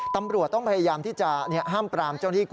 ตำรวจต้องพยายามที่จะห้ามปรามเจ้าหน้าที่กุ